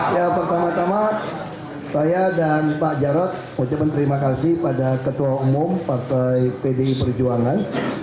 ya pertama tama saya dan pak jarod ucapkan terima kasih pada ketua umum partai pdi perjuangan